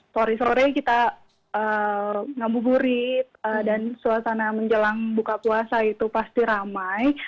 sore sore kita ngabuburit dan suasana menjelang buka puasa itu pasti ramai